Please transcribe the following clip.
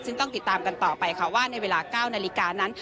ซึ่งต้องติดตามกันต่อไปค่ะว่าในเวลา๙นาฬิกานั้น